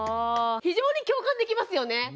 非常に共感できますよね